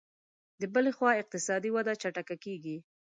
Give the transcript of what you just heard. له بلې خوا اقتصادي وده چټکه کېږي